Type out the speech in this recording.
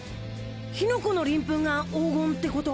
火の粉の鱗粉が黄金ってこと？